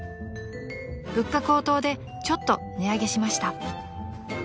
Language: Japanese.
［物価高騰でちょっと値上げしました］